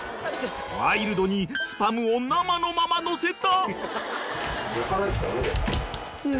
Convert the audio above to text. ［ワイルドにスパムを生のままのせた］